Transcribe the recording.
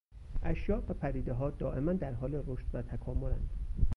اشیاء و پدیدهها دائماً در حال رشد و تکاملند.